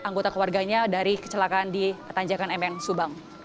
anggota keluarganya dari kecelakaan di tanjakan mn subang